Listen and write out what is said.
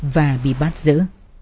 và bị bắt giữ